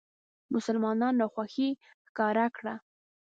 مسلمانانو ناخوښي ښکاره کړه.